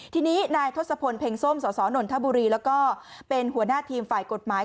ทีนี้นายทศพลเพ็งส้มสสนนทบุรีแล้วก็เป็นหัวหน้าทีมฝ่ายกฎหมาย